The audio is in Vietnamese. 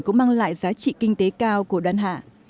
cũng mang lại giá trị kinh tế cao của đoàn hạ